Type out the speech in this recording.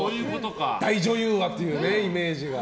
大女優はっていうイメージが。